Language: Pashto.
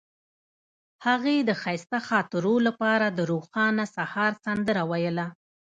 هغې د ښایسته خاطرو لپاره د روښانه سهار سندره ویله.